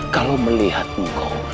kalau melihatmu kau